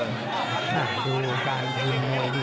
ดูลงกายดูมือดูมือดูมือดูมือ